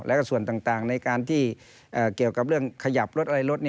แล้วก็ส่วนต่างในการที่เกี่ยวกับเรื่องขยับรถอะไรรถ